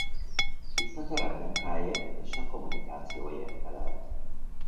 Itt a terepmunkáért és a kommunikációért felelt.